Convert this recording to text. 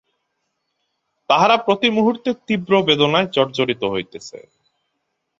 তাহারা প্রতি মুহূর্তে তীব্র বেদনায় জর্জরিত হইতেছে।